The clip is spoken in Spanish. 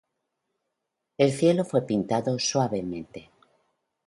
El cielo fue pintado suavemente.